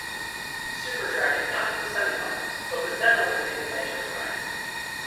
Super Dragon got to the semifinals, but was then eliminated by Joey Ryan.